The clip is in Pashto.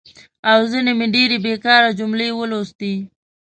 او ځینې مې ډېرې بېکاره جملې ولوستي.